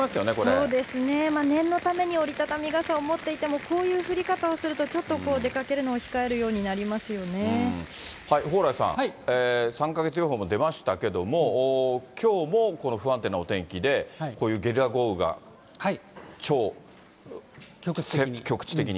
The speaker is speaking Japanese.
そうですね、念のため、折り畳み傘を持っていても、こういう降り方をすると、ちょっとこう、出かけるのを控えるよう蓬莱さん、３か月予報も出ましたけれども、きょうもこの不安定なお天気で、こういうゲリラ豪雨が、超局地的に。